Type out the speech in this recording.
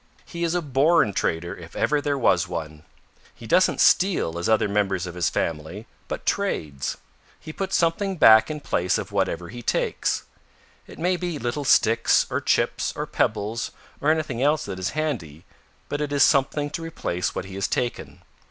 He is a born trader if ever there was one. He doesn't steal as other members of his family but trades. He puts something back in place of whatever he takes. It may be little sticks or chips or pebbles or anything else that is handy but it is something to replace what he has taken.